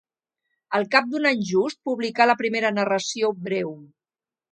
Al cap d'un any just publicà la primera narració breu.